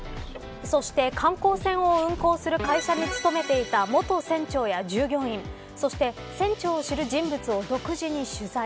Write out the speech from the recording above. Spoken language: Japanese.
そして、観光船を運航する会社に勤めていた元船長や従業員そして、船長を知る人物を独自に取材。